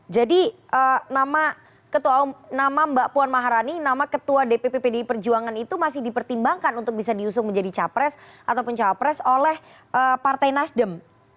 jadi nama mbak puan maharani nama ketua dpp pdi perjuangan itu masih dipertimbangkan untuk bisa diusung menjadi capres ataupun capres oleh partai nasdem